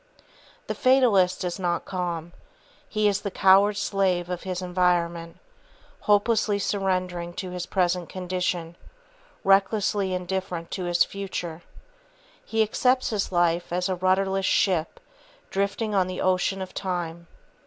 The Fatalist is not calm. He is the coward slave of his environment, hopelessly surrendering to his present condition, recklessly indifferent to his future. He accepts his life as a rudderless ship, drifting on the ocean of time.